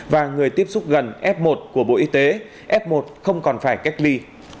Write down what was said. và người tiếp xúc gần f một của bộ y tế f một không còn phải cách ly